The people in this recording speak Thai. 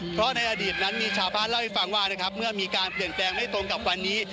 เพราะในอดีตนั้นมีชาวบ้านเล่าให้ฟังว่านะครับเมื่อมีการเปลี่ยนแปลงไม่ตรงกับวันนี้